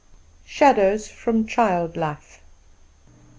Shadows From Child Life.